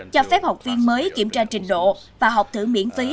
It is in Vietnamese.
cho phép học viên mới kiểm tra trình độ và học thử miễn phí